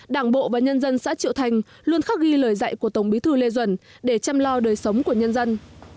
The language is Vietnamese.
đảng bộ và nhân dân xã triệu thành luôn khắc ghi lời dạy của tổng bí thư lê duẩn để chăm lo đời sống của nhân dân